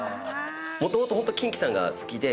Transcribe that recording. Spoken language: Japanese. もともとキンキさんが好きで。